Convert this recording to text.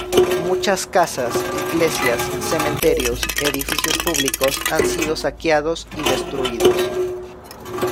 Muchas casas, iglesias, cementerios, edificios públicos han sido saqueados y destruidos.